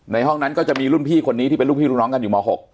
ห้องนั้นก็จะมีรุ่นพี่คนนี้ที่เป็นลูกพี่ลูกน้องกันอยู่ม๖